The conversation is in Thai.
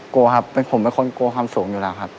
กลัวครับผมเป็นคนกลัวความสูงอยู่แล้วครับ